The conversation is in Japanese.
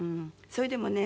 それでもね